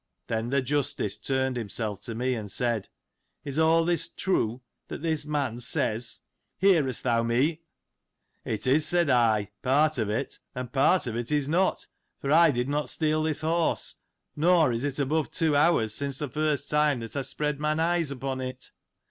Then the Justice turned himself to me, and said, " Is all this true, that this man says — hearest thou me ?" It is, said I — part of it — and part of it is not — for I did not steal this horse : nor is it above two hours since the first time that I spread mine eyes upon it.